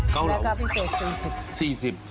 เกาเหล่าและก็พิเศษ๔๐บาท